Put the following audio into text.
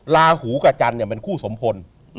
ลาหูกับจันทร์เป็นคู่สมพล